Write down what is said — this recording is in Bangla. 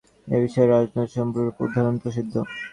এ-বিষয়ে রজ্জুতে সর্পভ্রমের উদাহরণ প্রসিদ্ধ।